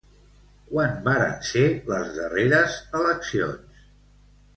Quan varen ser les darreres eleccions?